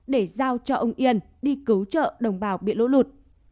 để giao cho ông yên đi cứu trợ đồng bào bị lũ lụt